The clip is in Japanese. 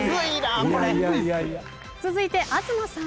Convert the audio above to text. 続いて東さん。